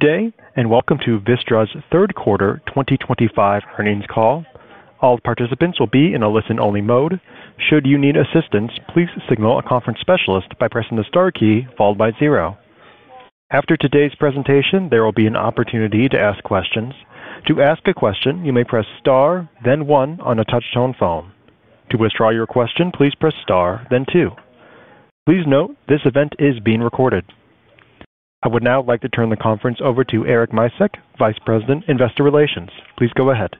Today, and welcome to Vistra's third quarter 2025 earnings call. All participants will be in a listen-only mode. Should you need assistance, please signal a conference specialist by pressing the star key followed by zero. After today's presentation, there will be an opportunity to ask questions. To ask a question, you may press star, then one on a touch-tone phone. To withdraw your question, please press star, then two. Please note this event is being recorded. I would now like to turn the conference over to Eric Micek, Vice President, Investor Relations. Please go ahead.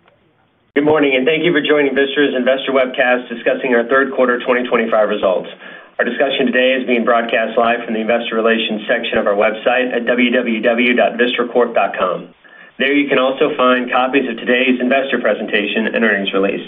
Good morning, and thank you for joining Vistra's Investor Webcast discussing our third quarter 2025 results. Our discussion today is being broadcast live from the Investor Relations section of our website at www.vistracorp.com. There you can also find copies of today's investor presentation and earnings release.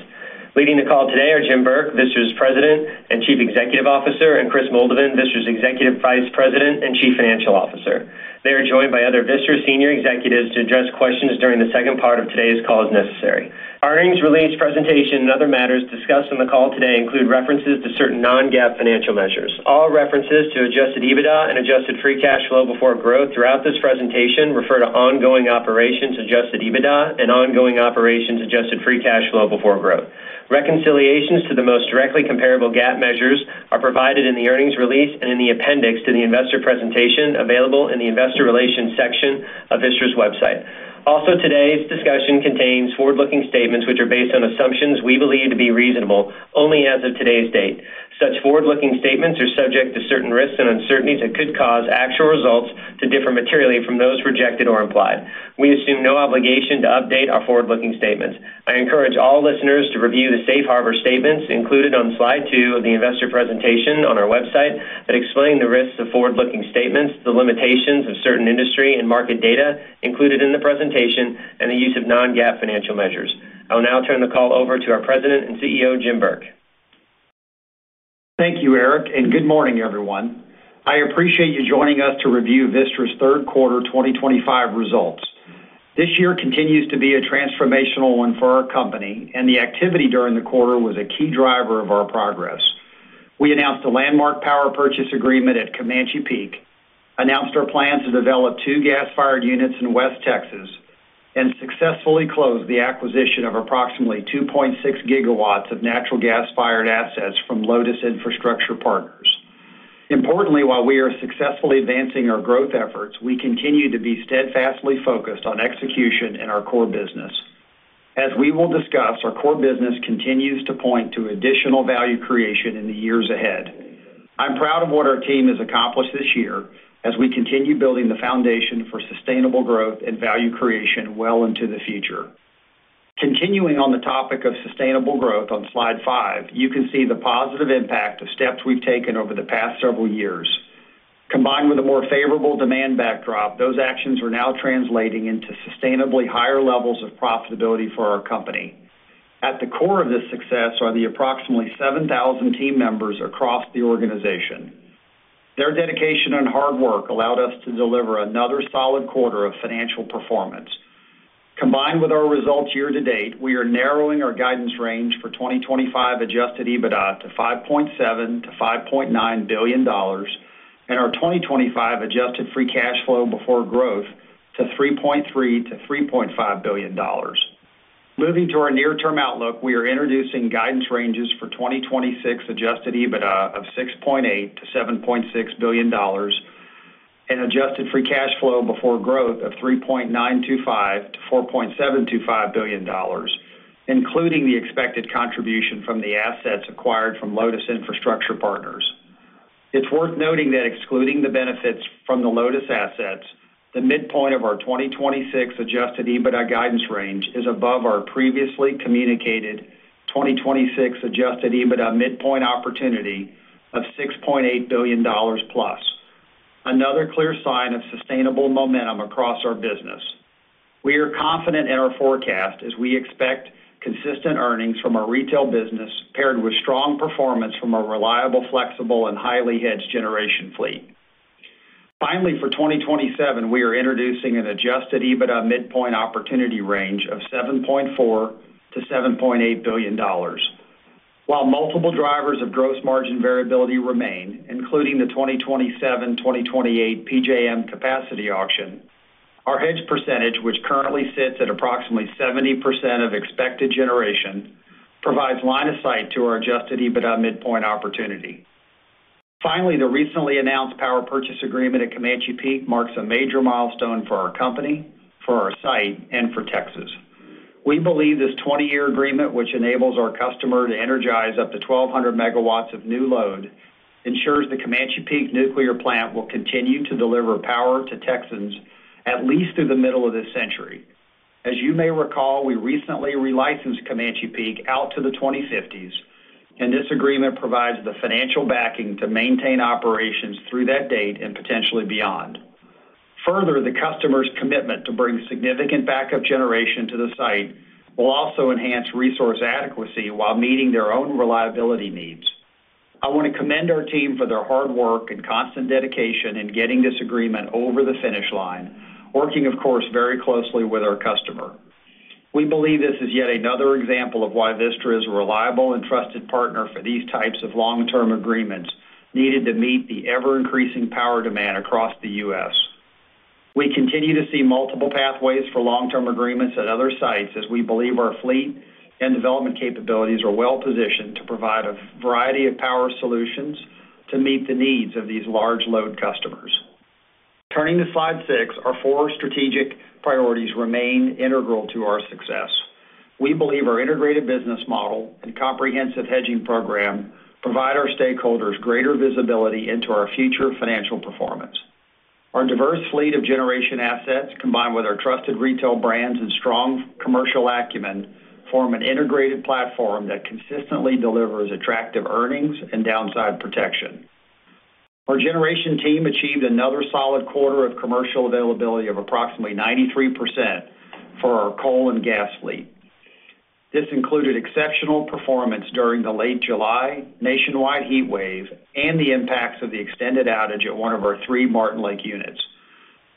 Leading the call today are Jim Burke, Vistra's President and Chief Executive Officer, and Chris Moldovan, Vistra's Executive Vice President and Chief Financial Officer. They are joined by other Vistra senior executives to address questions during the second part of today's call as necessary. Our earnings release, presentation, and other matters discussed in the call today include references to certain non-GAAP financial measures. All references to adjusted EBITDA and adjusted free cash flow before growth throughout this presentation refer to ongoing operations adjusted EBITDA and ongoing operations adjusted free cash flow before growth. Reconciliations to the most directly comparable GAAP measures are provided in the earnings release and in the appendix to the investor presentation available in the Investor Relations section of Vistra's website. Also, today's discussion contains forward-looking statements which are based on assumptions we believe to be reasonable only as of today's date. Such forward-looking statements are subject to certain risks and uncertainties that could cause actual results to differ materially from those projected or implied. We assume no obligation to update our forward-looking statements. I encourage all listeners to review the safe harbor statements included on slide two of the investor presentation on our website that explain the risks of forward-looking statements, the limitations of certain industry and market data included in the presentation, and the use of non-GAAP financial measures. I will now turn the call over to our President and CEO, Jim Burke. Thank you, Eric, and good morning, everyone. I appreciate you joining us to review Vistra's third quarter 2025 results. This year continues to be a transformational one for our company, and the activity during the quarter was a key driver of our progress. We announced a landmark power purchase agreement at Comanche Peak, announced our plan to develop two gas-fired units in West Texas, and successfully closed the acquisition of approximately 2.6 GW of natural gas-fired assets from Lotus Infrastructure Partners. Importantly, while we are successfully advancing our growth efforts, we continue to be steadfastly focused on execution in our core business. As we will discuss, our core business continues to point to additional value creation in the years ahead. I'm proud of what our team has accomplished this year as we continue building the foundation for sustainable growth and value creation well into the future. Continuing on the topic of sustainable growth on slide five, you can see the positive impact of steps we've taken over the past several years. Combined with a more favorable demand backdrop, those actions are now translating into sustainably higher levels of profitability for our company. At the core of this success are the approximately 7,000 team members across the organization. Their dedication and hard work allowed us to deliver another solid quarter of financial performance. Combined with our results year to date, we are narrowing our guidance range for 2025 adjusted EBITDA to $5.7 billion-$5.9 billion and our 2025 adjusted free cash flow before growth to $3.3 billion-$3.5 billion. Moving to our near-term outlook, we are introducing guidance ranges for 2026 adjusted EBITDA of $6.8 billion-$7.6 billion and adjusted free cash flow before growth of $3.925 billion-$4.725 billion. Including the expected contribution from the assets acquired from Lotus Infrastructure Partners. It's worth noting that excluding the benefits from the Lotus assets, the midpoint of our 2026 adjusted EBITDA guidance range is above our previously communicated 2026 adjusted EBITDA midpoint opportunity of $6.8 billion plus. Another clear sign of sustainable momentum across our business. We are confident in our forecast as we expect consistent earnings from our retail business paired with strong performance from our reliable, flexible, and highly hedged generation fleet. Finally, for 2027, we are introducing an adjusted EBITDA midpoint opportunity range of $7.4 billion-$7.8 billion. While multiple drivers of gross margin variability remain, including the 2027-2028 PJM capacity auction, our hedge percentage, which currently sits at approximately 70% of expected generation, provides line of sight to our adjusted EBITDA midpoint opportunity. Finally, the recently announced power purchase agreement at Comanche Peak marks a major milestone for our company, for our site, and for Texas. We believe this 20-year agreement, which enables our customer to energize up to 1,200 MW of new load, ensures the Comanche Peak nuclear plant will continue to deliver power to Texans at least through the middle of this century. As you may recall, we recently relicensed Comanche Peak out to the 2050s, and this agreement provides the financial backing to maintain operations through that date and potentially beyond. Further, the customer's commitment to bring significant backup generation to the site will also enhance resource adequacy while meeting their own reliability needs. I want to commend our team for their hard work and constant dedication in getting this agreement over the finish line, working, of course, very closely with our customer. We believe this is yet another example of why Vistra is a reliable and trusted partner for these types of long-term agreements needed to meet the ever-increasing power demand across the U.S. We continue to see multiple pathways for long-term agreements at other sites as we believe our fleet and development capabilities are well-positioned to provide a variety of power solutions to meet the needs of these large load customers. Turning to slide six, our four strategic priorities remain integral to our success. We believe our integrated business model and comprehensive hedging program provide our stakeholders greater visibility into our future financial performance. Our diverse fleet of generation assets, combined with our trusted retail brands and strong commercial acumen, form an integrated platform that consistently delivers attractive earnings and downside protection. Our generation team achieved another solid quarter of commercial availability of approximately 93% for our coal and gas fleet. This included exceptional performance during the late July nationwide heat wave and the impacts of the extended outage at one of our three Martin Lake units.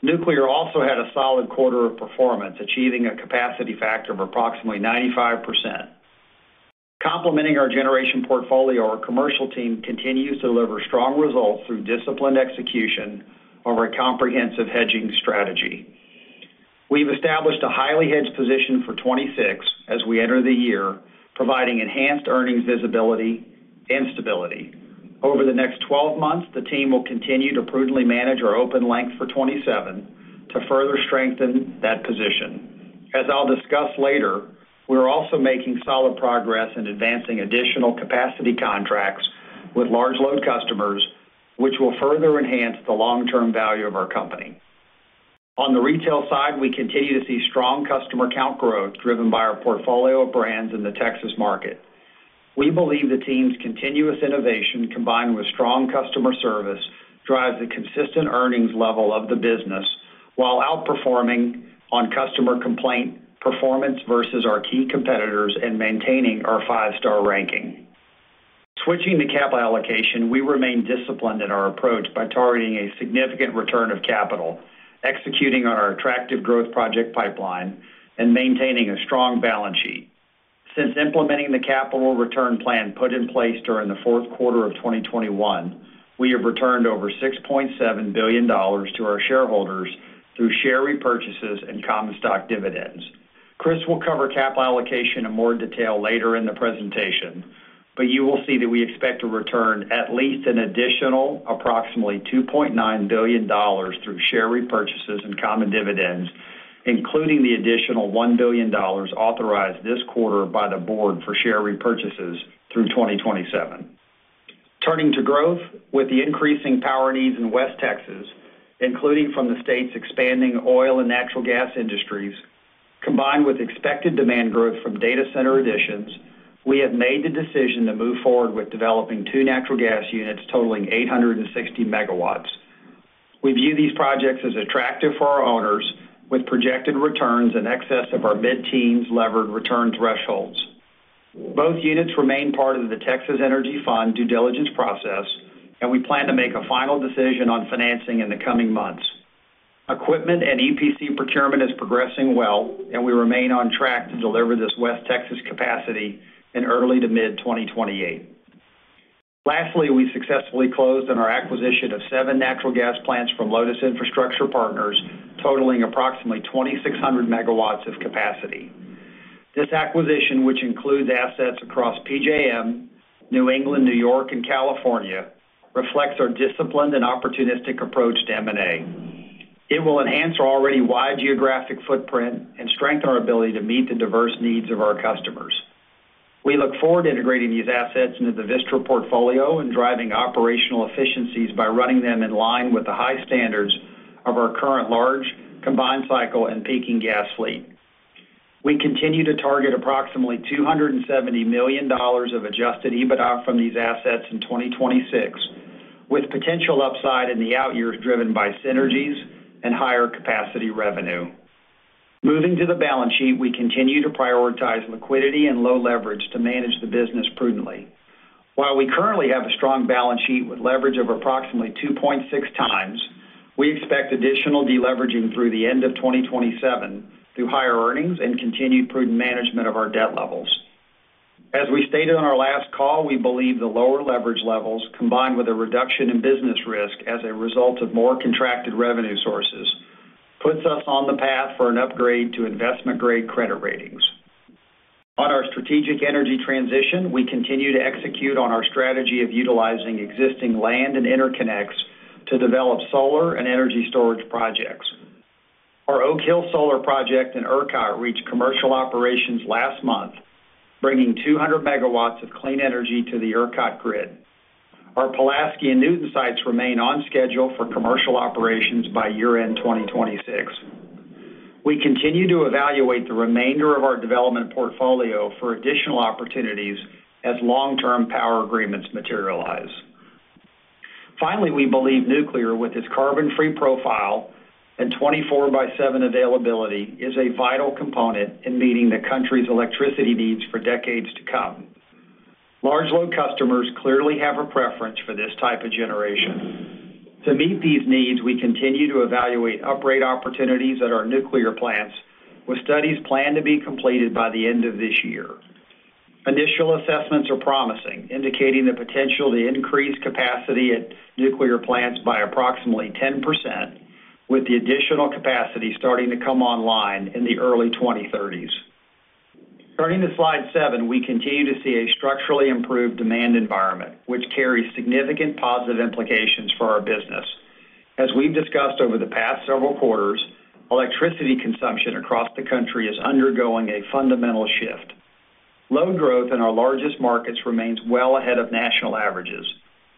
Nuclear also had a solid quarter of performance, achieving a capacity factor of approximately 95%. Complementing our generation portfolio, our commercial team continues to deliver strong results through disciplined execution of our comprehensive hedging strategy. We've established a highly hedged position for '26 as we enter the year, providing enhanced earnings visibility and stability. Over the next 12 months, the team will continue to prudently manage our open length for '27 to further strengthen that position. As I'll discuss later, we're also making solid progress in advancing additional capacity contracts with large load customers, which will further enhance the long-term value of our company. On the retail side, we continue to see strong customer count growth driven by our portfolio of brands in the Texas market. We believe the team's continuous innovation, combined with strong customer service, drives the consistent earnings level of the business while outperforming on customer complaint performance versus our key competitors and maintaining our five-star ranking. Switching to capital allocation, we remain disciplined in our approach by targeting a significant return of capital, executing on our attractive growth project pipeline, and maintaining a strong balance sheet. Since implementing the capital return plan put in place during the fourth quarter of 2021, we have returned over $6.7 billion to our shareholders through share repurchases and common stock dividends. Chris will cover capital allocation in more detail later in the presentation, but you will see that we expect to return at least an additional approximately $2.9 billion through share repurchases and common dividends, including the additional $1 billion authorized this quarter by the board for share repurchases through 2027. Turning to growth, with the increasing power needs in West Texas, including from the state's expanding oil and natural gas industries, combined with expected demand growth from data center additions, we have made the decision to move forward with developing two natural gas units totaling 860 megawatts. We view these projects as attractive for our owners with projected returns in excess of our mid-teens levered return thresholds. Both units remain part of the Texas Energy Fund due diligence process, and we plan to make a final decision on financing in the coming months. Equipment and EPC procurement is progressing well, and we remain on track to deliver this West Texas capacity in early to mid-2028. Lastly, we successfully closed on our acquisition of seven natural gas plants from Lotus Infrastructure Partners totaling approximately 2,600 megawatts of capacity. This acquisition, which includes assets across PJM, New England, New York, and California, reflects our disciplined and opportunistic approach to M&A. It will enhance our already wide geographic footprint and strengthen our ability to meet the diverse needs of our customers. We look forward to integrating these assets into the Vistra portfolio and driving operational efficiencies by running them in line with the high standards of our current large, combined cycle, and peaking gas fleet. We continue to target approximately $270 million of adjusted EBITDA from these assets in 2026, with potential upside in the out years driven by synergies and higher capacity revenue. Moving to the balance sheet, we continue to prioritize liquidity and low leverage to manage the business prudently. While we currently have a strong balance sheet with leverage of approximately 2.6 times, we expect additional deleveraging through the end of 2027 through higher earnings and continued prudent management of our debt levels. As we stated on our last call, we believe the lower leverage levels, combined with a reduction in business risk as a result of more contracted revenue sources, puts us on the path for an upgrade to investment-grade credit ratings. On our strategic energy transition, we continue to execute on our strategy of utilizing existing land and interconnects to develop solar and energy storage projects. Our Oak Hill solar project in ERCOT reached commercial operations last month, bringing 200 GW of clean energy to the ERCOT grid. Our Pulaski and Newton sites remain on schedule for commercial operations by year-end 2026. We continue to evaluate the remainder of our development portfolio for additional opportunities as long-term power agreements materialize. Finally, we believe nuclear, with its carbon-free profile and 24 by seven availability, is a vital component in meeting the country's electricity needs for decades to come. Large load customers clearly have a preference for this type of generation. To meet these needs, we continue to evaluate upgrade opportunities at our nuclear plants, with studies planned to be completed by the end of this year. Initial assessments are promising, indicating the potential to increase capacity at nuclear plants by approximately 10%, with the additional capacity starting to come online in the early 2030s. Turning to slide seven, we continue to see a structurally improved demand environment, which carries significant positive implications for our business. As we've discussed over the past several quarters, electricity consumption across the country is undergoing a fundamental shift. Load growth in our largest markets remains well ahead of national averages,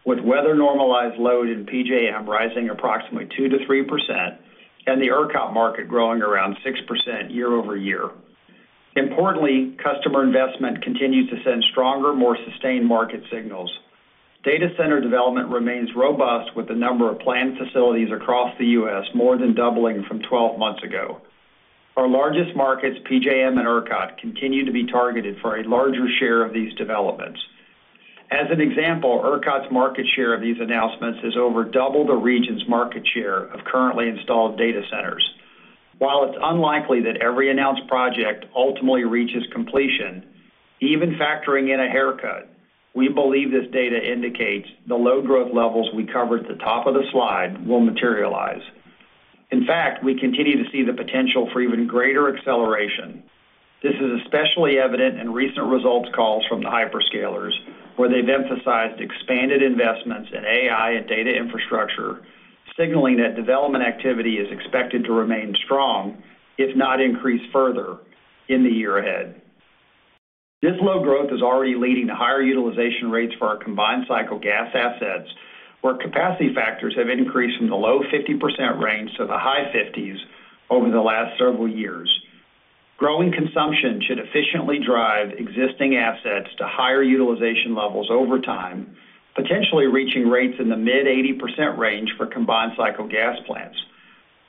with weather-normalized load in PJM rising approximately 2%-3% and the ERCOT market growing around 6% year-over-year. Importantly, customer investment continues to send stronger, more sustained market signals. Data center development remains robust, with the number of planned facilities across the U.S. more than doubling from 12 months ago. Our largest markets, PJM and ERCOT, continue to be targeted for a larger share of these developments. As an example, ERCOT's market share of these announcements is over double the region's market share of currently installed data centers. While it's unlikely that every announced project ultimately reaches completion, even factoring in a haircut, we believe this data indicates the load growth levels we covered at the top of the slide will materialize. In fact, we continue to see the potential for even greater acceleration. This is especially evident in recent results calls from the hyperscalers, where they've emphasized expanded investments in AI and data infrastructure, signaling that development activity is expected to remain strong, if not increase further, in the year ahead. This load growth is already leading to higher utilization rates for our combined cycle gas assets, where capacity factors have increased from the low 50% range to the high 50% over the last several years. Growing consumption should efficiently drive existing assets to higher utilization levels over time, potentially reaching rates in the mid-80% range for combined cycle gas plants.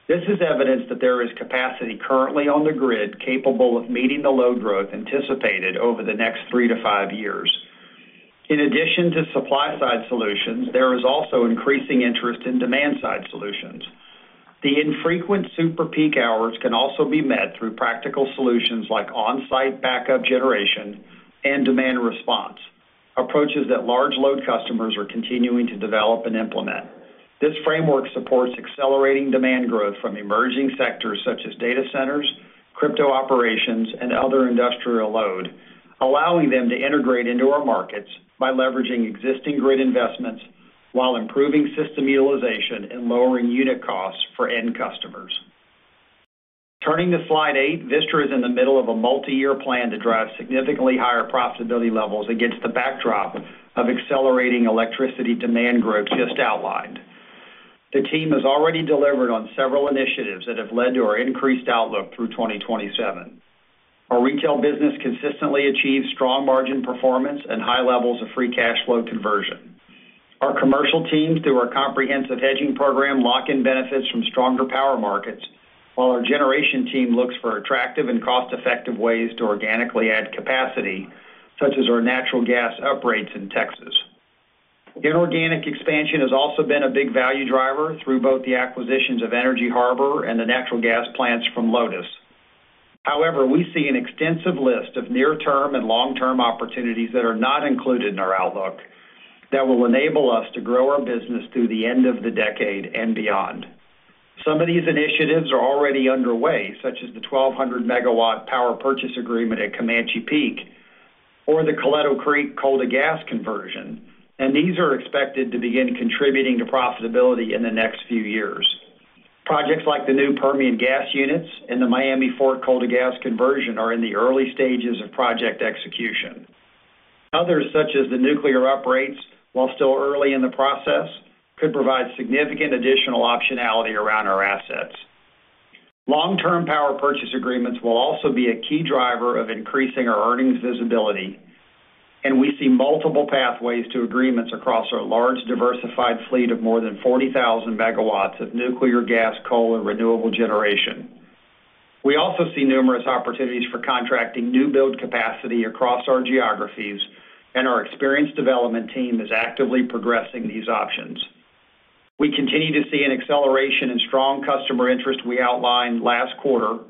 This is evidence that there is capacity currently on the grid capable of meeting the load growth anticipated over the next three to five years. In addition to supply-side solutions, there is also increasing interest in demand-side solutions. The infrequent super peak hours can also be met through practical solutions like on-site backup generation and demand response, approaches that large load customers are continuing to develop and implement. This framework supports accelerating demand growth from emerging sectors such as data centers, crypto operations, and other industrial load, allowing them to integrate into our markets by leveraging existing grid investments while improving system utilization and lowering unit costs for end customers. Turning to slide eight, Vistra is in the middle of a multi-year plan to drive significantly higher profitability levels against the backdrop of accelerating electricity demand growth just outlined. The team has already delivered on several initiatives that have led to our increased outlook through 2027. Our retail business consistently achieves strong margin performance and high levels of free cash flow conversion. Our commercial team, through our comprehensive hedging program, lock in benefits from stronger power markets, while our generation team looks for attractive and cost-effective ways to organically add capacity, such as our natural gas upgrades in Texas. Inorganic expansion has also been a big value driver through both the acquisitions of Energy Harbor and the natural gas plants from Lotus. However, we see an extensive list of near-term and long-term opportunities that are not included in our outlook that will enable us to grow our business through the end of the decade and beyond. Some of these initiatives are already underway, such as the 1,200 megawatt power purchase agreement at Comanche Peak or the Coletto Creek coal-to-gas conversion, and these are expected to begin contributing to profitability in the next few years. Projects like the new Permian gas units and the Miami Fort coal-to-gas conversion are in the early stages of project execution. Others, such as the nuclear upgrades, while still early in the process, could provide significant additional optionality around our assets. Long-term power purchase agreements will also be a key driver of increasing our earnings visibility, and we see multiple pathways to agreements across our large diversified fleet of more than 40,000 MW of nuclear, gas, coal, and renewable generation. We also see numerous opportunities for contracting new-build capacity across our geographies, and our experienced development team is actively progressing these options. We continue to see an acceleration in strong customer interest we outlined last quarter,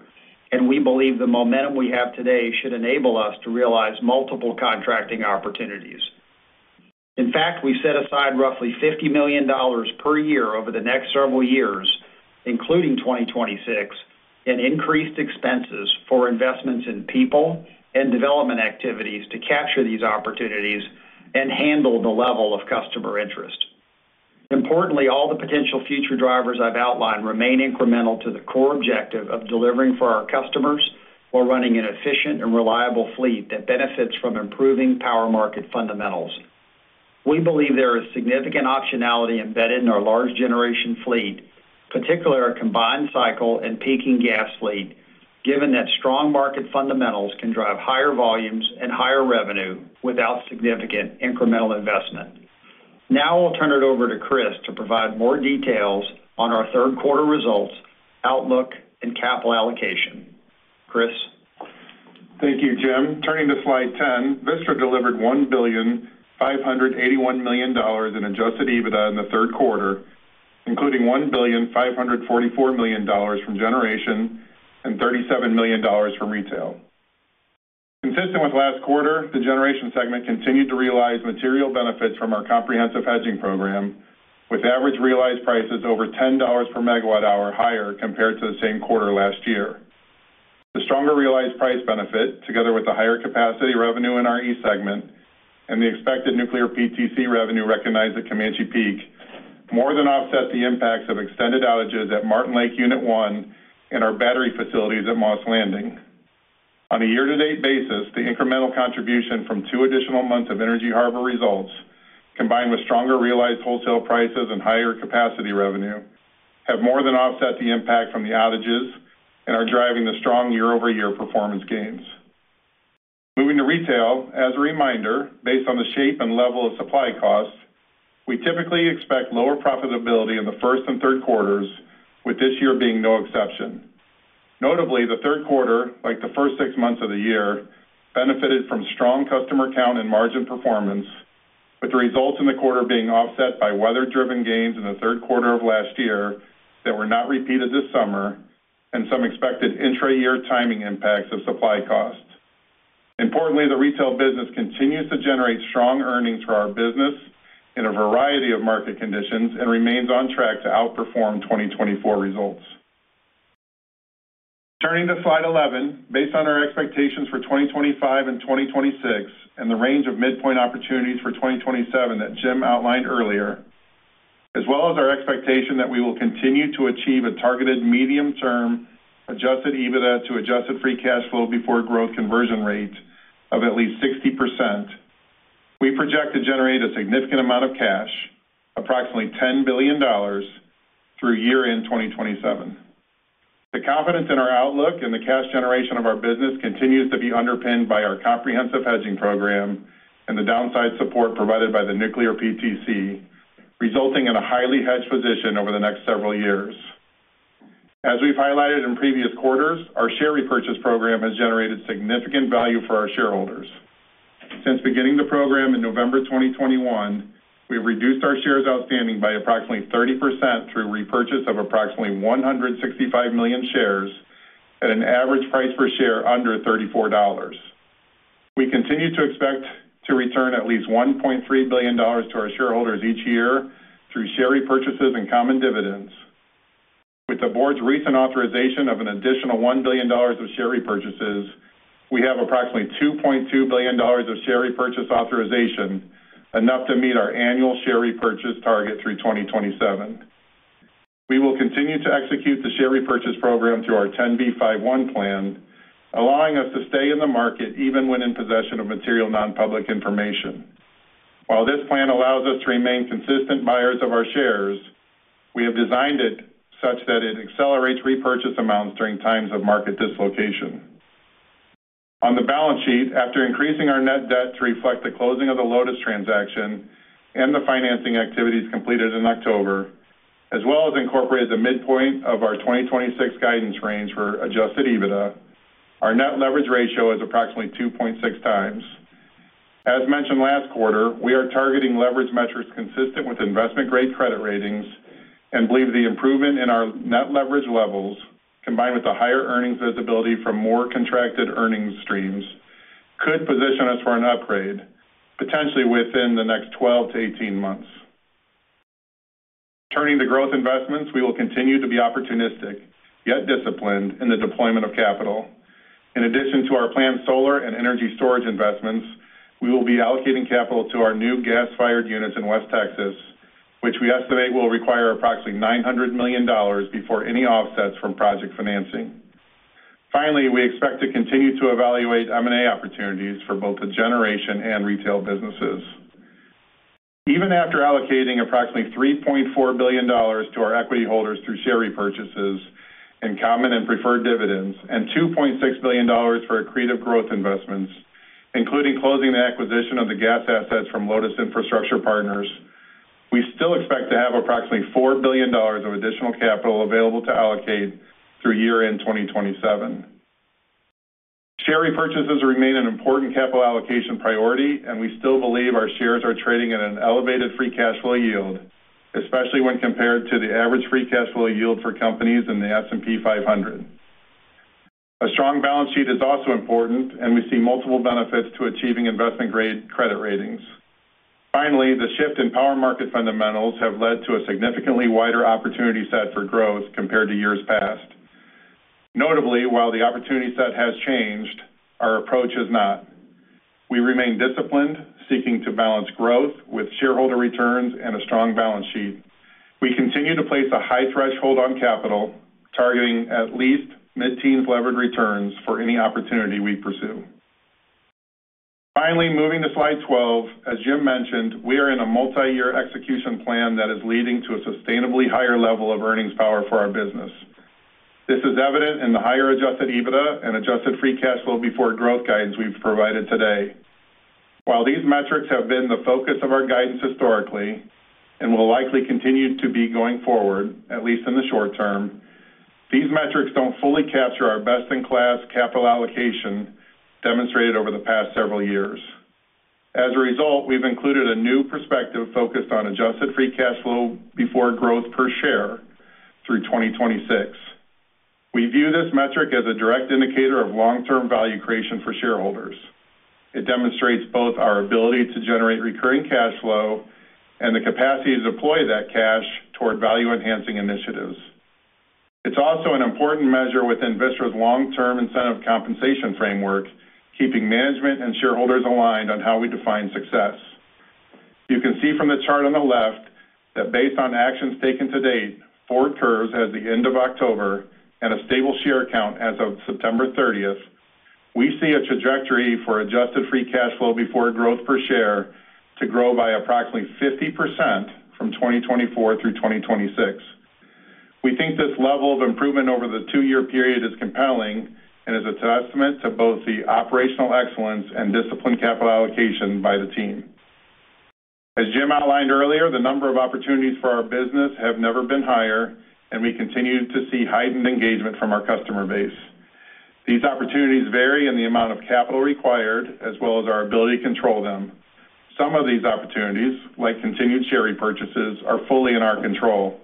and we believe the momentum we have today should enable us to realize multiple contracting opportunities. In fact, we set aside roughly $50 million per year over the next several years, including 2026, in increased expenses for investments in people and development activities to capture these opportunities and handle the level of customer interest. Importantly, all the potential future drivers I've outlined remain incremental to the core objective of delivering for our customers while running an efficient and reliable fleet that benefits from improving power market fundamentals. We believe there is significant optionality embedded in our large generation fleet, particularly our combined cycle and peaking gas fleet, given that strong market fundamentals can drive higher volumes and higher revenue without significant incremental investment. Now I'll turn it over to Chris to provide more details on our third-quarter results, outlook, and capital allocation. Chris. Thank you, Jim. Turning to slide 10, Vistra delivered $1.581 billion in adjusted EBITDA in the third quarter, including $1.544 billion from generation and $37 million from retail. Consistent with last quarter, the generation segment continued to realize material benefits from our comprehensive hedging program, with average realized prices over $10 per megawatt hour higher compared to the same quarter last year. The stronger realized price benefit, together with the higher capacity revenue in our East segment and the expected nuclear PTC revenue recognized at Comanche Peak, more than offset the impacts of extended outages at Martin Lake Unit One and our battery facilities at Moss Landing. On a year-to-date basis, the incremental contribution from two additional months of Energy Harbor results, combined with stronger realized wholesale prices and higher capacity revenue, have more than offset the impact from the outages and are driving the strong year-over-year performance gains. Moving to retail, as a reminder, based on the shape and level of supply costs, we typically expect lower profitability in the first and third quarters, with this year being no exception. Notably, the third quarter, like the first six months of the year, benefited from strong customer count and margin performance, with the results in the quarter being offset by weather-driven gains in the third quarter of last year that were not repeated this summer and some expected intra-year timing impacts of supply costs. Importantly, the retail business continues to generate strong earnings for our business in a variety of market conditions and remains on track to outperform 2024 results. Turning to slide 11, based on our expectations for 2025 and 2026 and the range of midpoint opportunities for 2027 that Jim outlined earlier, as well as our expectation that we will continue to achieve a targeted medium-term adjusted EBITDA to adjusted free cash flow before growth conversion rate of at least 60%, we project to generate a significant amount of cash, approximately $10 billion through year-end 2027. The confidence in our outlook and the cash generation of our business continues to be underpinned by our comprehensive hedging program and the downside support provided by the nuclear PTC, resulting in a highly hedged position over the next several years. As we've highlighted in previous quarters, our share repurchase program has generated significant value for our shareholders. Since beginning the program in November 2021, we've reduced our shares outstanding by approximately 30% through repurchase of approximately 165 million shares at an average price per share under $34. We continue to expect to return at least $1.3 billion to our shareholders each year through share repurchases and common dividends. With the board's recent authorization of an additional $1 billion of share repurchases, we have approximately $2.2 billion of share repurchase authorization, enough to meet our annual share repurchase target through 2027. We will continue to execute the share repurchase program through our 10B5-1 plan, allowing us to stay in the market even when in possession of material non-public information. While this plan allows us to remain consistent buyers of our shares, we have designed it such that it accelerates repurchase amounts during times of market dislocation. On the balance sheet, after increasing our net debt to reflect the closing of the Lotus transaction and the financing activities completed in October, as well as incorporated the midpoint of our 2026 guidance range for adjusted EBITDA, our net leverage ratio is approximately 2.6 times. As mentioned last quarter, we are targeting leverage metrics consistent with investment-grade credit ratings and believe the improvement in our net leverage levels, combined with the higher earnings visibility from more contracted earnings streams, could position us for an upgrade, potentially within the next 12-18 months. Turning to growth investments, we will continue to be opportunistic, yet disciplined in the deployment of capital. In addition to our planned solar and energy storage investments, we will be allocating capital to our new gas-fired units in West Texas, which we estimate will require approximately $900 million before any offsets from project financing. Finally, we expect to continue to evaluate M&A opportunities for both the generation and retail businesses. Even after allocating approximately $3.4 billion to our equity holders through share repurchases and common and preferred dividends, and $2.6 billion for accretive growth investments, including closing the acquisition of the gas assets from Lotus Infrastructure Partners, we still expect to have approximately $4 billion of additional capital available to allocate through year-end 2027. Share repurchases remain an important capital allocation priority, and we still believe our shares are trading at an elevated free cash flow yield, especially when compared to the average free cash flow yield for companies in the S&P 500. A strong balance sheet is also important, and we see multiple benefits to achieving investment-grade credit ratings. Finally, the shift in power market fundamentals has led to a significantly wider opportunity set for growth compared to years past. Notably, while the opportunity set has changed, our approach has not. We remain disciplined, seeking to balance growth with shareholder returns and a strong balance sheet. We continue to place a high threshold on capital, targeting at least mid-teens levered returns for any opportunity we pursue. Finally, moving to slide 12, as Jim mentioned, we are in a multi-year execution plan that is leading to a sustainably higher level of earnings power for our business. This is evident in the higher adjusted EBITDA and adjusted free cash flow before growth guidance we've provided today. While these metrics have been the focus of our guidance historically and will likely continue to be going forward, at least in the short term, these metrics do not fully capture our best-in-class capital allocation demonstrated over the past several years. As a result, we have included a new perspective focused on adjusted free cash flow before growth per share through 2026. We view this metric as a direct indicator of long-term value creation for shareholders. It demonstrates both our ability to generate recurring cash flow and the capacity to deploy that cash toward value-enhancing initiatives. It is also an important measure within Vistra's long-term incentive compensation framework, keeping management and shareholders aligned on how we define success. You can see from the chart on the left that based on actions taken to date, four curves as the end of October and a stable share count as of September 30th, we see a trajectory for adjusted free cash flow before growth per share to grow by approximately 50% from 2024 through 2026. We think this level of improvement over the two-year period is compelling and is a testament to both the operational excellence and disciplined capital allocation by the team. As Jim outlined earlier, the number of opportunities for our business has never been higher, and we continue to see heightened engagement from our customer base. These opportunities vary in the amount of capital required, as well as our ability to control them. Some of these opportunities, like continued share repurchases, are fully in our control.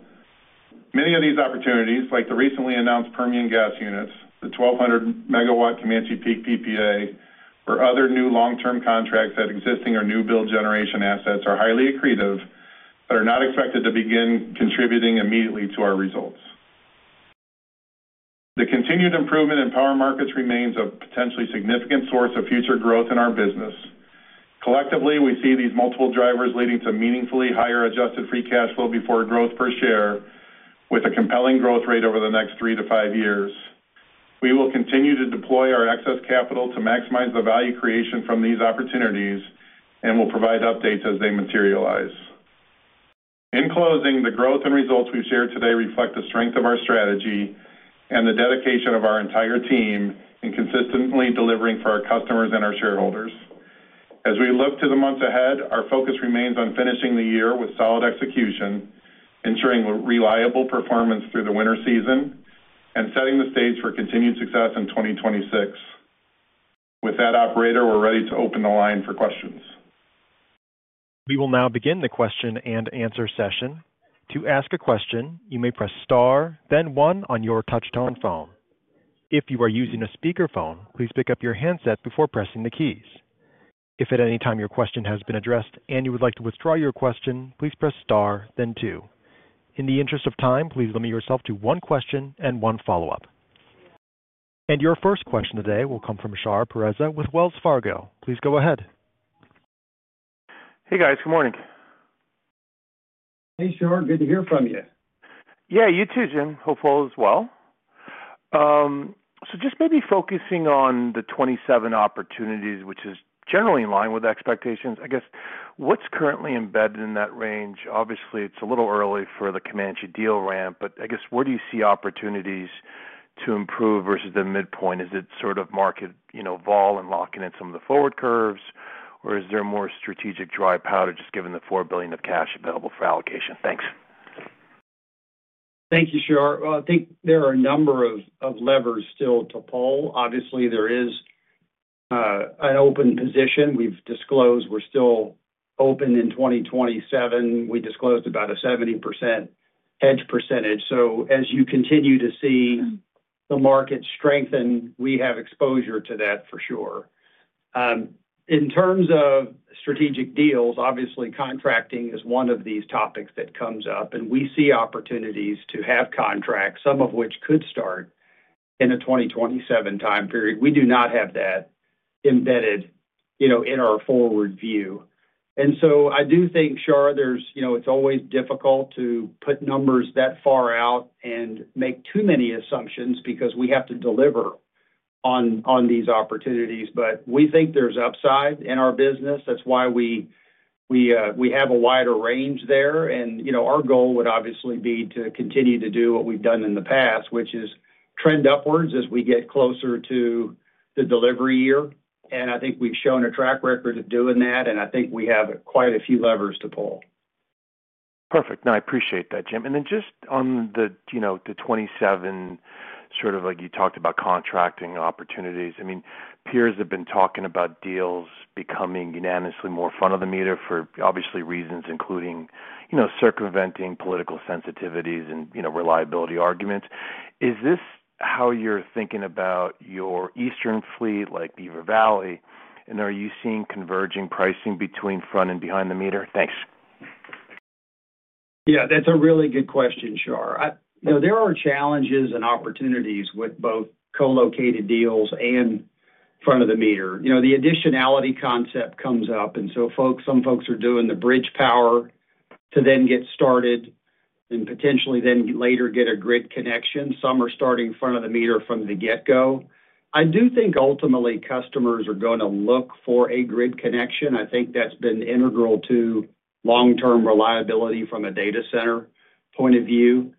Many of these opportunities, like the recently announced Permian gas units, the 1,200 MW Comanche Peak PPA, or other new long-term contracts at existing or new-build generation assets, are highly accretive but are not expected to begin contributing immediately to our results. The continued improvement in power markets remains a potentially significant source of future growth in our business. Collectively, we see these multiple drivers leading to meaningfully higher adjusted free cash flow before growth per share, with a compelling growth rate over the next three to five years. We will continue to deploy our excess capital to maximize the value creation from these opportunities and will provide updates as they materialize. In closing, the growth and results we've shared today reflect the strength of our strategy and the dedication of our entire team in consistently delivering for our customers and our shareholders. As we look to the months ahead, our focus remains on finishing the year with solid execution, ensuring reliable performance through the winter season, and setting the stage for continued success in 2026. With that, operator, we're ready to open the line for questions. We will now begin the question and answer session. To ask a question, you may press star, then one on your touch-tone phone. If you are using a speakerphone, please pick up your handset before pressing the keys. If at any time your question has been addressed and you would like to withdraw your question, please press star, then two. In the interest of time, please limit yourself to one question and one follow-up. Your first question today will come from Shar Pereza with Wells Fargo. Please go ahead. Hey, guys. Good morning. Hey, Shar. Good to hear from you. Yeah, you too, Jim. Hopefully as well. Just maybe focusing on the 2027 opportunities, which is generally in line with expectations. I guess, what's currently embedded in that range? Obviously, it's a little early for the Comanche deal ramp, but I guess, where do you see opportunities to improve versus the midpoint? Is it sort of market vol and locking in some of the forward curves, or is there more strategic dry powder just given the $4 billion of cash available for allocation? Thanks. Thank you, Shar. I think there are a number of levers still to pull. Obviously, there is an open position. We've disclosed we're still open in 2027. We disclosed about a 70% hedge percentage. As you continue to see the market strengthen, we have exposure to that for sure. In terms of strategic deals, obviously, contracting is one of these topics that comes up, and we see opportunities to have contracts, some of which could start in a 2027 time period. We do not have that embedded in our forward view. I do think, Shar, it's always difficult to put numbers that far out and make too many assumptions because we have to deliver on these opportunities. We think there's upside in our business. That's why we have a wider range there. Our goal would obviously be to continue to do what we've done in the past, which is trend upwards as we get closer to the delivery year. I think we've shown a track record of doing that, and I think we have quite a few levers to pull. Perfect. No, I appreciate that, Jim. And then just on the 27. Sort of like you talked about contracting opportunities, I mean, peers have been talking about deals becoming unanimously more front of the meter for obviously reasons, including circumventing political sensitivities and reliability arguments. Is this how you're thinking about your Eastern fleet, like Beaver Valley, and are you seeing converging pricing between front and behind the meter? Tha nks. Yeah, that's a really good question, Shar. There are challenges and opportunities with both co-located deals and front of the meter. The additionality concept comes up, and so some folks are doing the bridge power to then get started and potentially then later get a grid connection. Some are starting front of the meter from the get-go. I do think ultimately customers are going to look for a grid connection. I think that's been integral to long-term reliability from a data center point of view.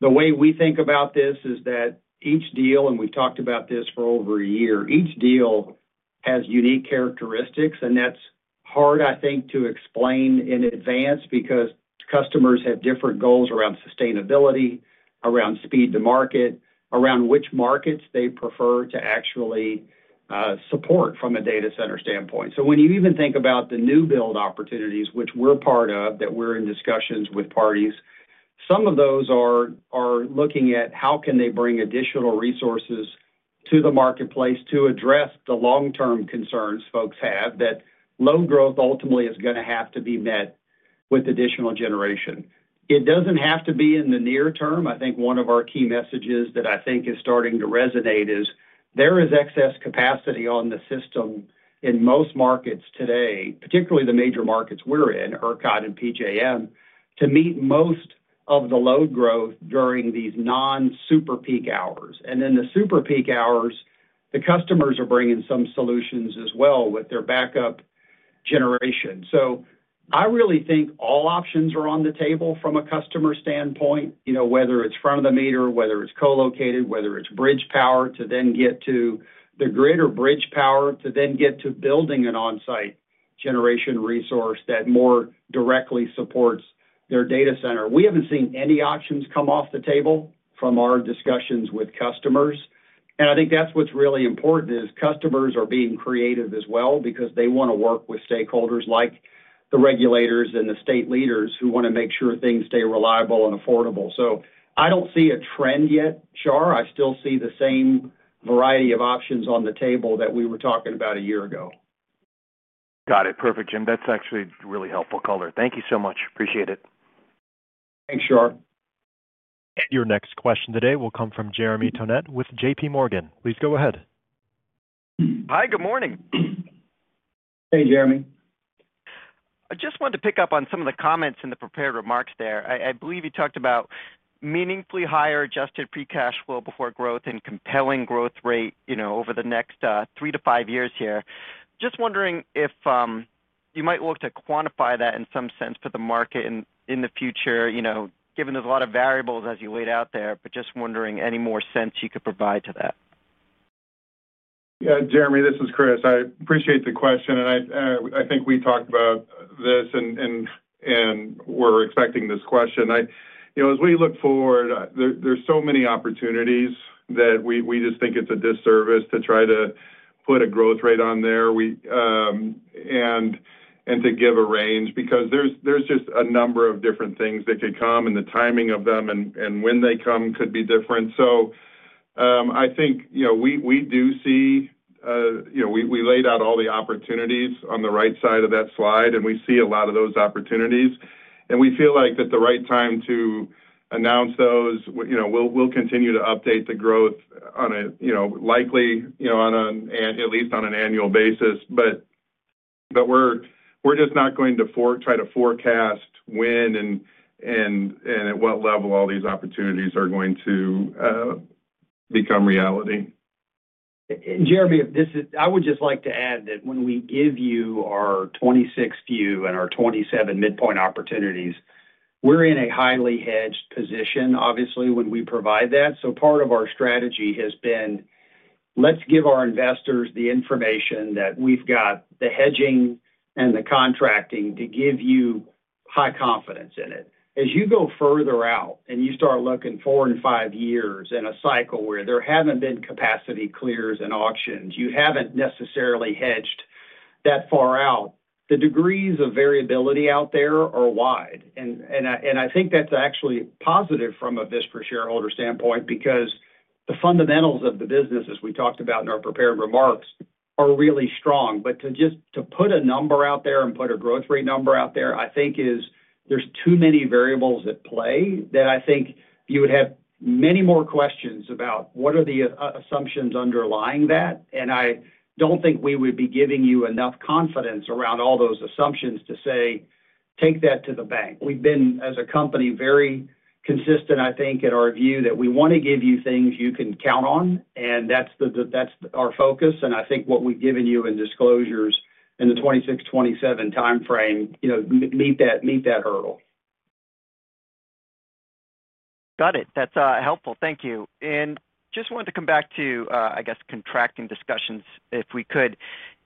The way we think about this is that each deal, and we've talked about this for over a year, each deal has unique characteristics, and that's hard, I think, to explain in advance because customers have different goals around sustainability, around speed to market, around which markets they prefer to actually support from a data center standpoint. When you even think about the new build opportunities, which we're part of, that we're in discussions with parties, some of those are looking at how can they bring additional resources to the marketplace to address the long-term concerns folks have that load growth ultimately is going to have to be met with additional generation. It doesn't have to be in the near term. I think one of our key messages that I think is starting to resonate is there is excess capacity on the system in most markets today, particularly the major markets we're in, ERCOT and PJM, to meet most of the load growth during these non-super peak hours. In the super peak hours, the customers are bringing some solutions as well with their backup generation. I really think all options are on the table from a customer standpoint, whether it's front of the meter, whether it's co-located, whether it's bridge power to then get to the grid, or bridge power to then get to building an on-site generation resource that more directly supports their data center. We haven't seen any options come off the table from our discussions with customers. I think that's what's really important is customers are being creative as well because they want to work with stakeholders like the regulators and the state leaders who want to make sure things stay reliable and affordable. I do not see a trend yet, Shar. I still see the same variety of options on the table that we were talking about a year ago. Got it. Perfect, Jim. That's actually really helpful color. Thank you so much. Appreciate it. Thanks, Shar. Your next question today will come from Jeremy Tonnet with JPMorgan. Please go ahead. Hi, good morning. Hey, Jeremy. I just wanted to pick up on some of the comments in the prepared remarks there. I believe you talked about meaningfully higher adjusted free cash flow before growth and compelling growth rate over the next three to five years here. Just wondering if. You might look to quantify that in some sense for the market in the future, given there is a lot of variables as you laid out there, but just wondering any more sense you could provide to that. Yeah, Jeremy, this is Chris. I appreciate the question, and I think we talked about this. We were expecting this question. As we look forward, there are so many opportunities that we just think it is a disservice to try to put a growth rate on there and to give a range because there is just a number of different things that could come, and the timing of them and when they come could be different. I think we do see, we laid out all the opportunities on the right side of that slide, and we see a lot of those opportunities. We feel like the right time to. Announce those, we'll continue to update the growth on a likely, at least on an annual basis. We're just not going to try to forecast when and at what level all these opportunities are going to become reality. Jeremy, I would just like to add that when we give you our 2026 view and our 2027 midpoint opportunities, we're in a highly hedged position, obviously, when we provide that. Part of our strategy has been, let's give our investors the information that we've got, the hedging and the contracting, to give you high confidence in it. As you go further out and you start looking four and five years in a cycle where there haven't been capacity clears and auctions, you haven't necessarily hedged that far out, the degrees of variability out there are wide. I think that's actually positive from a Vistra shareholder standpoint because the fundamentals of the business, as we talked about in our prepared remarks, are really strong. To just put a number out there and put a growth rate number out there, I think there are too many variables at play that I think you would have many more questions about what are the assumptions underlying that. I do not think we would be giving you enough confidence around all those assumptions to say, "Take that to the bank." We have been, as a company, very consistent, I think, in our view that we want to give you things you can count on, and that's our focus. I think what we have given you in disclosures in the 2026-2027 timeframe meet that hurdle. Got it. That's helpful. Thank you. Just wanted to come back to, I guess, contracting discussions, if we could.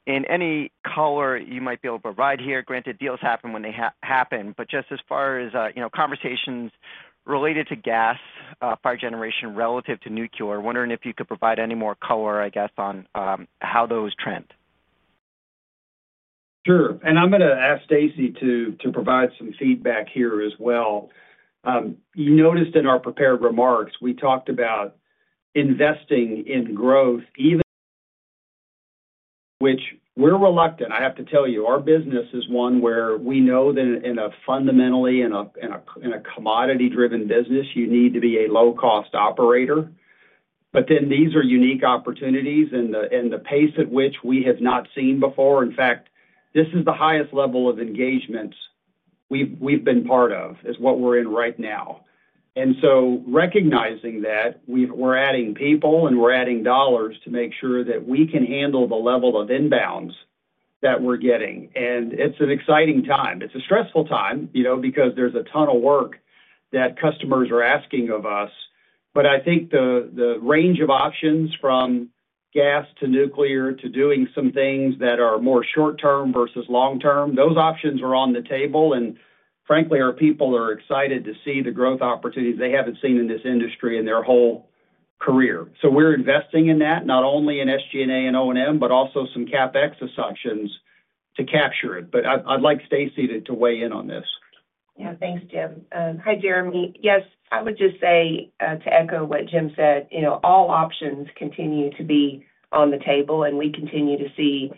Any color you might be able to provide here. Granted, deals happen when they happen. Just as far as conversations related to gas fire generation relative to nuclear, wondering if you could provide any more color, I guess, on how those trend. Sure. I'm going to ask Stacey to provide some feedback here as well. You noticed in our prepared remarks, we talked about investing in growth, even, which we're reluctant. I have to tell you, our business is one where we know that fundamentally, in a commodity-driven business, you need to be a low-cost operator. These are unique opportunities in the pace at which we have not seen before. In fact, this is the highest level of engagement we have been part of is what we're in right now. Recognizing that, we're adding people and we're adding dollars to make sure that we can handle the level of inbounds that we're getting. It's an exciting time. It's a stressful time because there's a ton of work that customers are asking of us. I think the range of options from gas to nuclear to doing some things that are more short-term versus long-term, those options are on the table. Frankly, our people are excited to see the growth opportunities they haven't seen in this industry in their whole career. We're investing in that, not only in SG&A and O&M, but also some CapEx assumptions to capture it. I'd like Stacey to weigh in on this. Yeah. Thanks, Jim. Hi, Jeremy. Yes, I would just say to echo what Jim said, all options continue to be on the table, and we continue to see.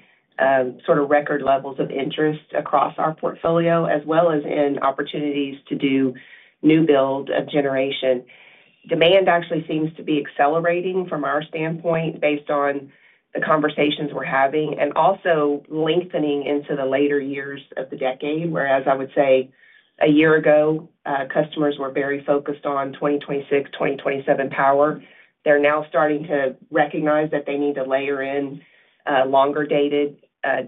Sort of record levels of interest across our portfolio, as well as in opportunities to do new build of generation. Demand actually seems to be accelerating from our standpoint based on the conversations we're having and also lengthening into the later years of the decade, whereas I would say a year ago, customers were very focused on 2026, 2027 power. They're now starting to recognize that they need to layer in longer-dated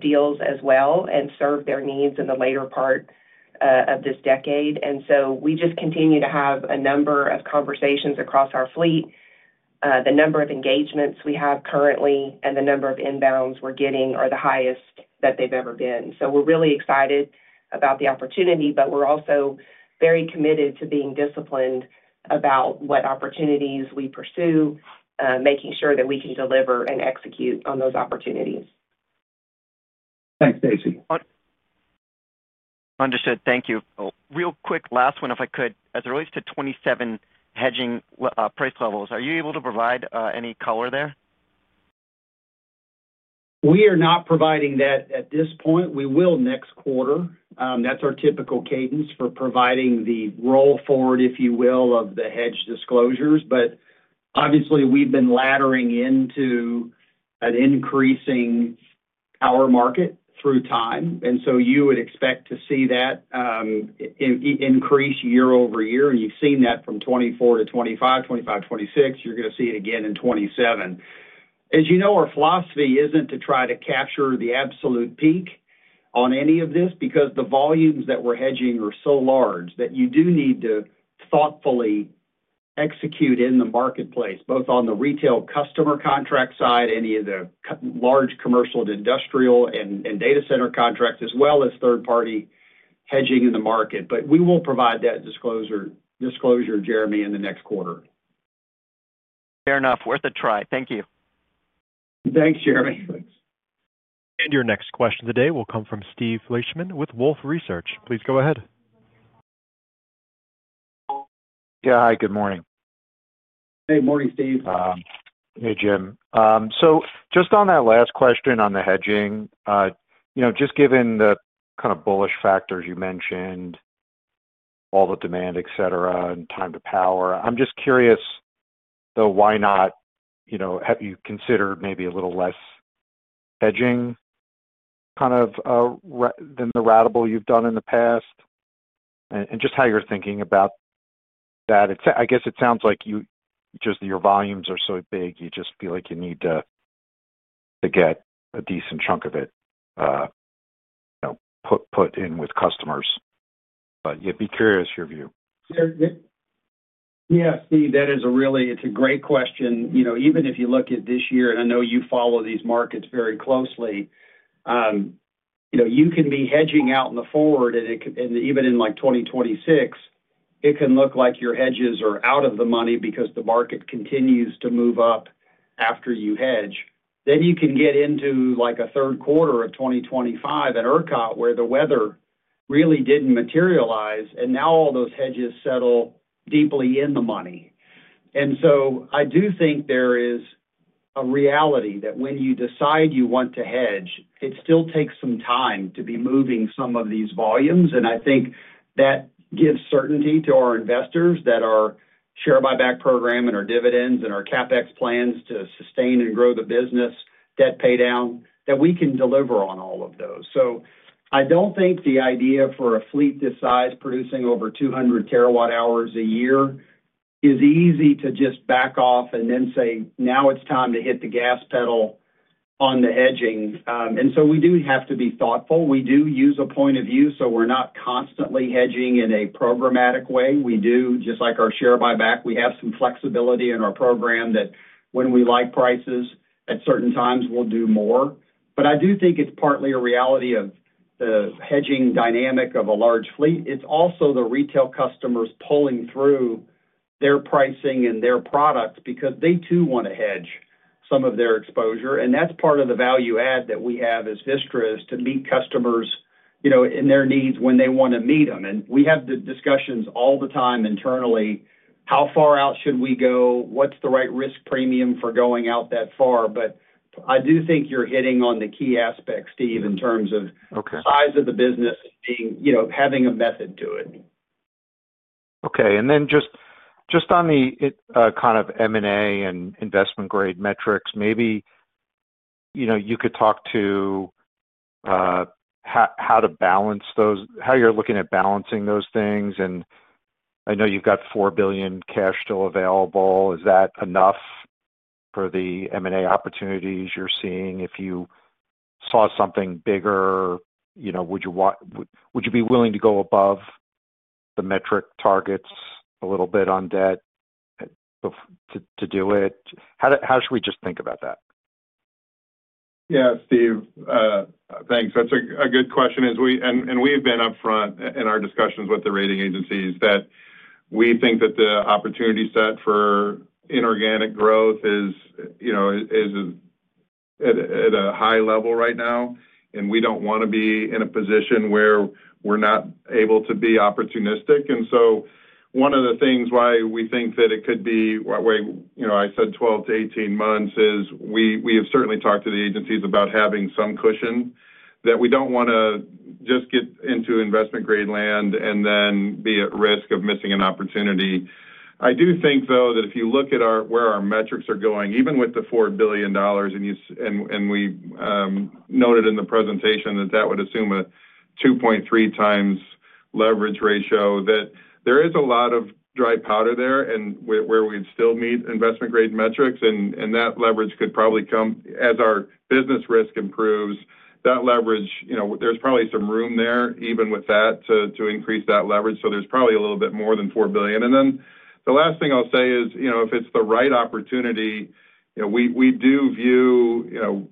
deals as well and serve their needs in the later part of this decade. We just continue to have a number of conversations across our fleet. The number of engagements we have currently and the number of inbounds we're getting are the highest that they've ever been. We're really excited about the opportunity, but we're also very committed to being disciplined about what opportunities we pursue, making sure that we can deliver and execute on those opportunities. Thanks, Stacey. Understood. Thank you. Real quick, last one, if I could. As it relates to 2027 hedging price levels, are you able to provide any color there? We are not providing that at this point. We will next quarter. That's our typical cadence for providing the roll forward, if you will, of the hedge disclosures. Obviously, we've been laddering into an increasing power market through time, and so you would expect to see that increase year over year. You've seen that from 2024 to 2025, 2025, 2026. You're going to see it again in 2027. As you know, our philosophy isn't to try to capture the absolute peak on any of this because the volumes that we're hedging are so large that you do need to thoughtfully execute in the marketplace, both on the retail customer contract side, any of the large commercial and industrial and data center contracts, as well as third-party hedging in the market. We will provide that disclosure, Jeremy, in the next quarter. Fair enough. Worth a try. Thank you. Thanks, Jeremy. Your next question today will come from Steve Leishman with Wolfe Research. Please go ahead. Yeah. Hi, good morning. Hey, morning, Steve. Hey, Jim. Just on that last question on the hedging. Just given the kind of bullish factors you mentioned, all the demand, etc., and time to power, I'm just curious, though, why not, have you considered maybe a little less hedging, kind of. Than the ratable you have done in the past? Just how you are thinking about that. I guess it sounds like just your volumes are so big, you just feel like you need to get a decent chunk of it put in with customers. Yeah, be curious, your view. Yeah, Steve, that is a really—it is a great question. Even if you look at this year, and I know you follow these markets very closely. You can be hedging out in the forward, and even in 2026, it can look like your hedges are out of the money because the market continues to move up after you hedge. You can get into a third quarter of 2025 in ERCOT, where the weather really did not materialize, and now all those hedges settle deeply in the money. I do think there is a reality that when you decide you want to hedge, it still takes some time to be moving some of these volumes. I think that gives certainty to our investors that our share buyback program and our dividends and our CapEx plans to sustain and grow the business, debt pay down, that we can deliver on all of those. I do not think the idea for a fleet this size producing over 200 TW hours a year is easy to just back off and then say, "Now it's time to hit the gas pedal on the hedging." We do have to be thoughtful. We do use a point of view, so we're not constantly hedging in a programmatic way. We do, just like our share buyback, we have some flexibility in our program that when we like prices at certain times, we'll do more. I do think it's partly a reality of the hedging dynamic of a large fleet. It's also the retail customers pulling through, their pricing and their products because they too want to hedge some of their exposure. That's part of the value add that we have as Vistra is to meet customers in their needs when they want to meet them. We have the discussions all the time internally, "How far out should we go? What's the right risk premium for going out that far?" I do think you're hitting on the key aspect, Steve, in terms of the size of the business and having a method to it. Okay. Just on the kind of M&A and investment-grade metrics, maybe you could talk to how to balance those, how you're looking at balancing those things. I know you've got $4 billion cash still available. Is that enough for the M&A opportunities you're seeing? If you saw something bigger, would you be willing to go above the metric targets a little bit on debt to do it? How should we just think about that? Yeah, Steve, thanks. That's a good question. We have been upfront in our discussions with the rating agencies that we think that the opportunity set for inorganic growth is at a high level right now. We don't want to be in a position where we're not able to be opportunistic. One of the things why we think that it could be—why I said 12-18 months—is we have certainly talked to the agencies about having some cushion that we do not want to just get into investment-grade land and then be at risk of missing an opportunity. I do think, though, that if you look at where our metrics are going, even with the $4 billion, and we noted in the presentation that that would assume a 2.3 times leverage ratio, that there is a lot of dry powder there where we would still meet investment-grade metrics. That leverage could probably come as our business risk improves. That leverage, there is probably some room there, even with that, to increase that leverage. There is probably a little bit more than $4 billion. The last thing I will say is if it is the right opportunity. We do view.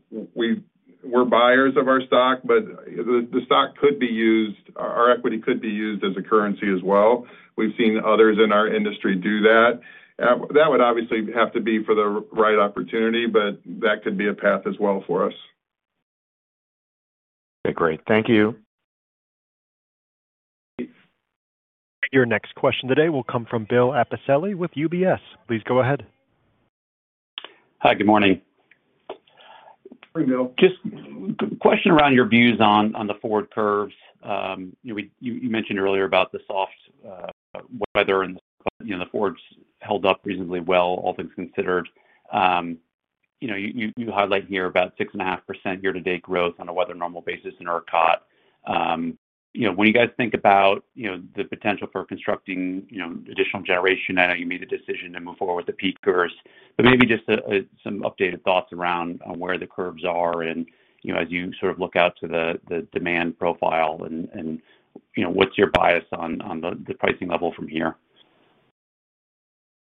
We're buyers of our stock, but the stock could be used, our equity could be used as a currency as well. We've seen others in our industry do that. That would obviously have to be for the right opportunity, but that could be a path as well for us. Okay, great. Thank you. Your next question today will come from Bill Appocelii with UBS. Please go ahead. Hi, good morning. Good morning, Bill. Just a question around your views on the forward curves. You mentioned earlier about the soft weather, and the forwards held up reasonably well, all things considered. You highlight here about 6.5% year-to-date growth on a weather-normal basis in ERCOT. When you guys think about the potential for constructing additional generation, I know you made a decision to move forward with the peakers. Maybe just some updated thoughts around where the curves are and as you sort of look out to the demand profile and what's your bias on the pricing level from here.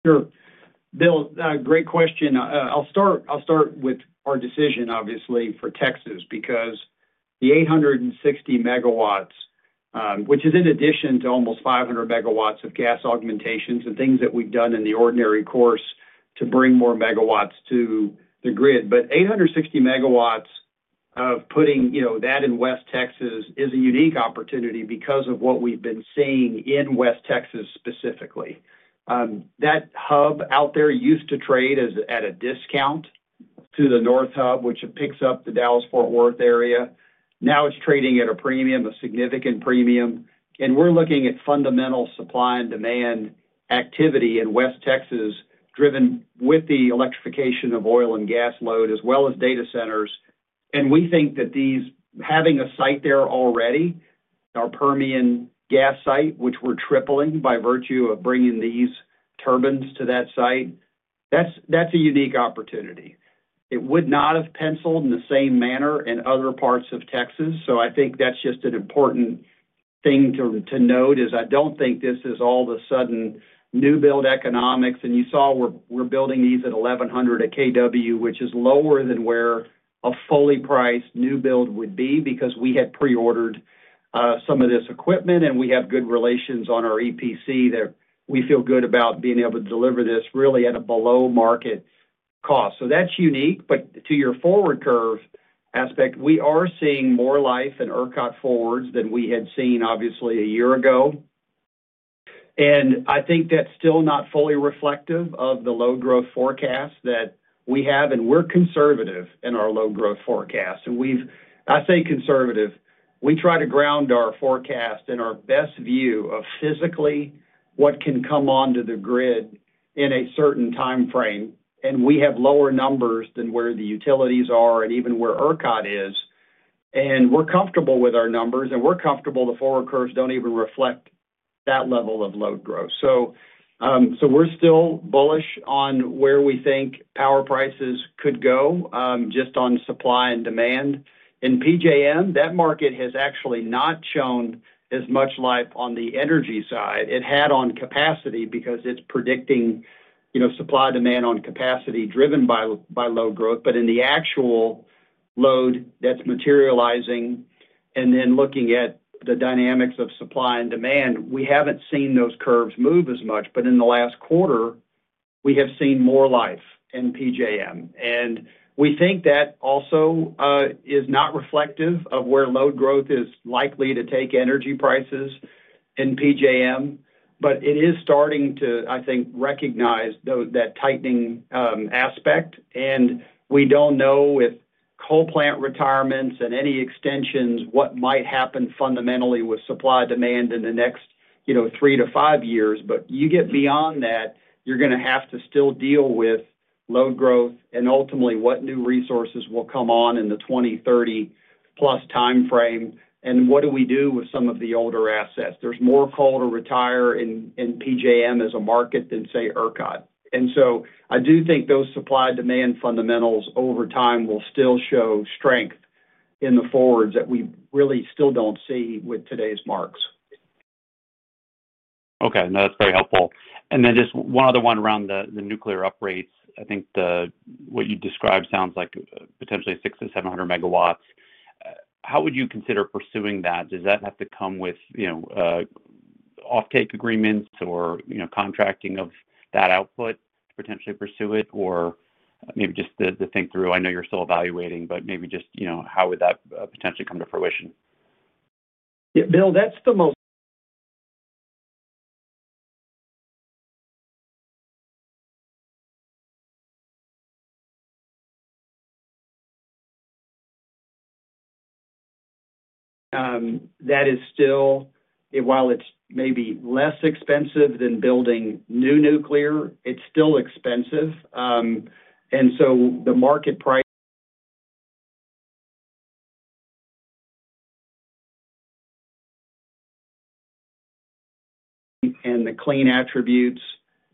Sure. Bill, great question. I'll start with our decision, obviously, for Texas because the 860 MW, which is in addition to almost 500 MW of gas augmentations and things that we've done in the ordinary course to bring more megawatts to the grid. But 860 MW of putting that in West Texas is a unique opportunity because of what we've been seeing in West Texas specifically. That hub out there used to trade at a discount to the North Hub, which picks up the Dallas-Fort Worth area. Now it's trading at a premium, a significant premium. We're looking at fundamental supply and demand activity in West Texas driven with the electrification of oil and gas load as well as data centers. We think that having a site there already, our Permian gas site, which we're tripling by virtue of bringing these turbines to that site, that's a unique opportunity. It would not have penciled in the same manner in other parts of Texas. I think that's just an important thing to note is I don't think this is all of a sudden new build economics. You saw we're building these at $1,100 per kW, which is lower than where a fully priced new build would be because we had pre-ordered some of this equipment, and we have good relations on our EPC that we feel good about being able to deliver this really at a below-market cost. That's unique. To your forward curve aspect, we are seeing more life in ERCOT forwards than we had seen, obviously, a year ago. I think that's still not fully reflective of the load-growth forecast that we have, and we're conservative in our load-growth forecast. I say conservative. We try to ground our forecast in our best view of physically what can come onto the grid in a certain timeframe. We have lower numbers than where the utilities are and even where ERCOT is. We're comfortable with our numbers, and we're comfortable the forward curves don't even reflect that level of load growth. We're still bullish on where we think power prices could go just on supply and demand. In PJM, that market has actually not shown as much life on the energy side. It had on capacity because it's predicting. Supply demand on capacity driven by low growth. In the actual load that's materializing, and then looking at the dynamics of supply and demand, we haven't seen those curves move as much. In the last quarter, we have seen more life in PJM. We think that also is not reflective of where load growth is likely to take energy prices in PJM. It is starting to, I think, recognize that tightening aspect. We don't know with coal plant retirements and any extensions what might happen fundamentally with supply demand in the next three to five years. You get beyond that, you're going to have to still deal with load growth and ultimately what new resources will come on in the 2030-plus timeframe and what do we do with some of the older assets. There's more coal to retire in PJM as a market than, say, ERCOT. I do think those supply-demand fundamentals over time will still show strength in the forwards that we really still do not see with today's marks. Okay. No, that's very helpful. Then just one other one around the nuclear upgrades. I think what you described sounds like potentially 6-700 MW. How would you consider pursuing that? Does that have to come with offtake agreements or contracting of that output to potentially pursue it, or maybe just to think through? I know you're still evaluating, but maybe just how would that potentially come to fruition? Yeah, Bill, that's the most. That is still. While it's maybe less expensive than building new nuclear, it's still expensive. The market price. The clean attributes,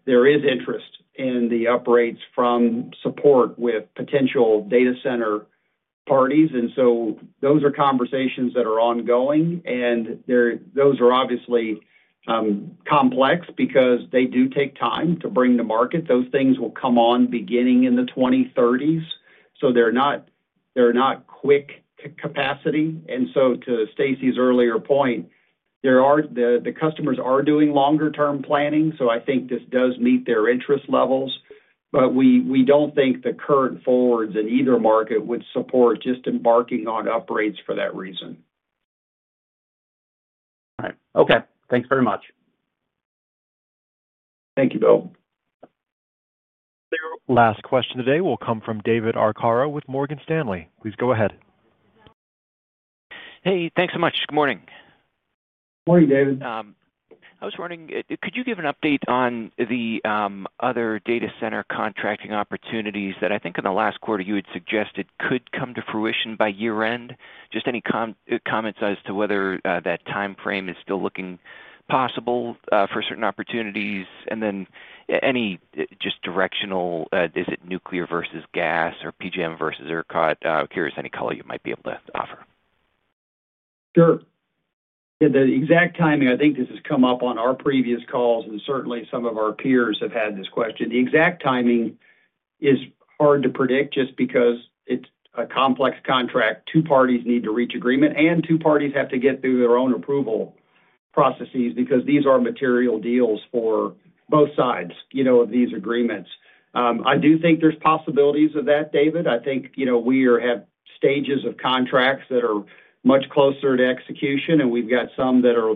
there is interest in the upgrades from support with potential data center parties. Those are conversations that are ongoing. Those are obviously complex because they do take time to bring to market. Those things will come on beginning in the 2030s. They are not quick capacity. To Stacy's earlier point, the customers are doing longer-term planning. I think this does meet their interest levels. We do not think the current forwards in either market would support just embarking on upgrades for that reason. All right. Okay. Thanks very much. Thank you, Bill. Last question today will come from David Arcara with Morgan Stanley. Please go ahead. Hey, thanks so much. Good morning. Morning, David. I was wondering, could you give an update on the other data center contracting opportunities that I think in the last quarter you had suggested could come to fruition by year-end? Just any comments as to whether that timeframe is still looking possible for certain opportunities? Any just directional? Is it nuclear versus gas or PJM versus ERCOT? I am curious any color you might be able to offer. Sure. Yeah, the exact timing, I think this has come up on our previous calls, and certainly some of our peers have had this question. The exact timing is hard to predict just because it is a complex contract. Two parties need to reach agreement, and two parties have to get through their own approval processes because these are material deals for both sides of these agreements. I do think there is possibilities of that, David. I think we have stages of contracts that are much closer to execution, and we've got some that are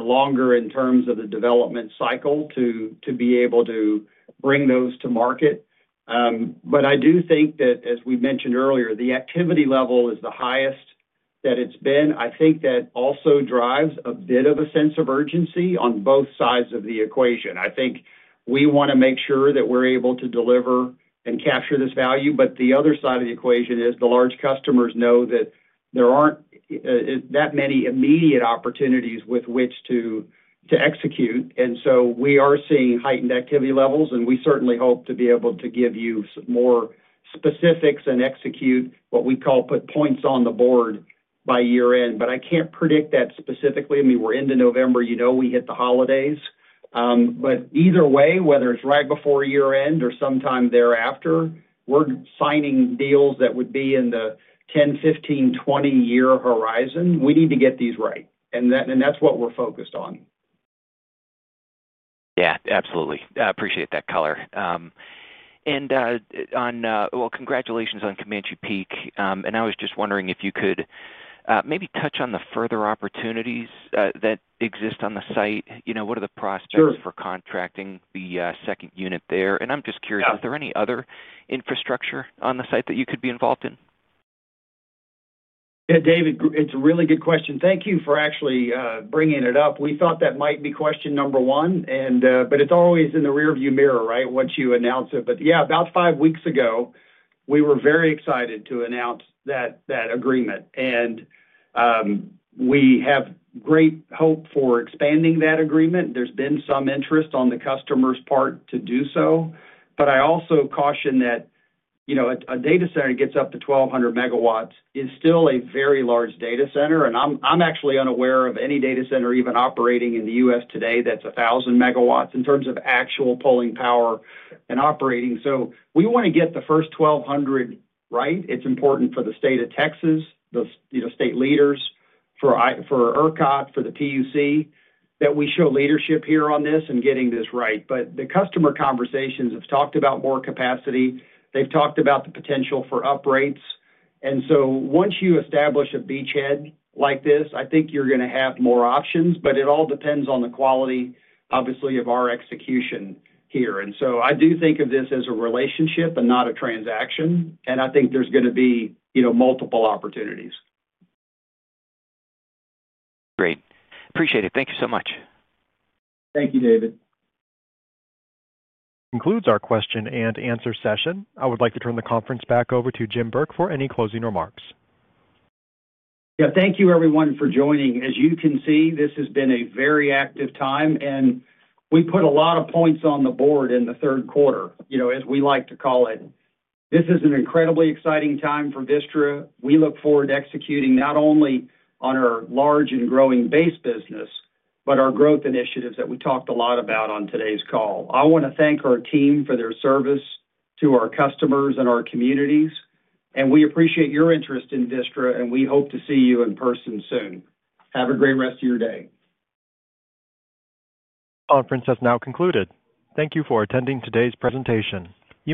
longer in terms of the development cycle to be able to bring those to market. I do think that, as we mentioned earlier, the activity level is the highest that it's been. I think that also drives a bit of a sense of urgency on both sides of the equation. I think we want to make sure that we're able to deliver and capture this value. The other side of the equation is the large customers know that there aren't that many immediate opportunities with which to execute. We are seeing heightened activity levels, and we certainly hope to be able to give you more specifics and execute what we call put points on the board by year-end. I can't predict that specifically. I mean, we're into November. You know we hit the holidays. Either way, whether it's right before year-end or sometime thereafter, we're signing deals that would be in the 10-, 15-, 20-year horizon. We need to get these right. That's what we're focused on. Yeah, absolutely. I appreciate that color. Congratulations on Comanche Peak. I was just wondering if you could maybe touch on the further opportunities that exist on the site. What are the prospects for contracting the second unit there? I'm just curious, is there any other infrastructure on the site that you could be involved in? Yeah, David, it's a really good question. Thank you for actually bringing it up. We thought that might be question number one, but it's always in the rearview mirror, right, once you announce it. Yeah, about five weeks ago, we were very excited to announce that agreement. We have great hope for expanding that agreement. There's been some interest on the customer's part to do so. I also caution that a data center that gets up to 1,20 MW is still a very large data center. I'm actually unaware of any data center even operating in the U.S. today that's 1,000 MW in terms of actual pulling power and operating. We want to get the first 1,200 right. It's important for the state of Texas, the state leaders, for ERCOT, for the PUC, that we show leadership here on this and getting this right. The customer conversations have talked about more capacity. They've talked about the potential for uprates. Once you establish a beachhead like this, I think you're going to have more options. But it all depends on the quality, obviously, of our execution here. I do think of this as a relationship and not a transaction. I think there's going to be multiple opportunities. Great. Appreciate it. Thank you so much. Thank you, David. Concludes our question and answer session. I would like to turn the conference back over to Jim Burke for any closing remarks. Yeah, thank you, everyone, for joining. As you can see, this has been a very active time. We put a lot of points on the board in the third quarter, as we like to call it. This is an incredibly exciting time for Vistra. We look forward to executing not only on our large and growing base business, but our growth initiatives that we talked a lot about on today's call. I want to thank our team for their service to our customers and our communities. We appreciate your interest in Vistra, and we hope to see you in person soon. Have a great rest of your day. Conference has now concluded. Thank you for attending today's presentation.